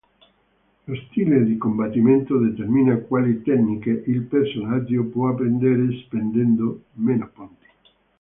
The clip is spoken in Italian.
Lo stile di combattimento determina quali tecniche il personaggio può apprendere spendendo meno punti.